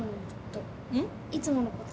いつものこと。